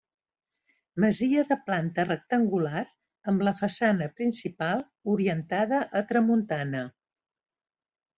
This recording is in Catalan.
Masia de planta rectangular amb la façana principal orientada a tramuntana.